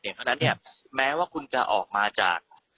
เพราะฉะนั้นเนี่ยแม้ว่าคุณจะออกมาจาก